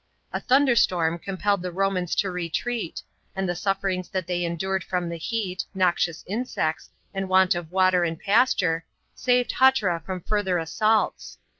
A tnunderstonn compelled the Romans to retreat, and the sufferings that they endured from the hear, noxious insects, and want of water and pasture, saved Hatra from further assaults.